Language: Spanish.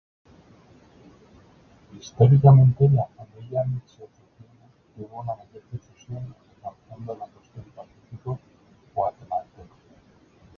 Históricamente, la familia mixe-zoqueana tuvo una mayor difusión, alcanzando la costa del Pacífico guatemalteco.